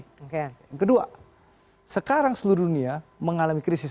yang kedua sekarang seluruh dunia mengalami krisis